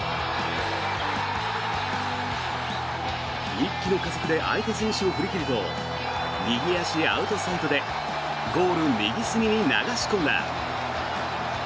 一気の加速で相手選手を振り切ると右足アウトサイドでゴール右隅に流し込んだ。